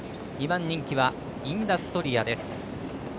２番人気はインダストリアです。